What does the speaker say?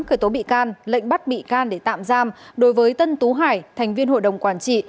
khởi tố bị can lệnh bắt bị can để tạm giam đối với tân tú hải thành viên hội đồng quản trị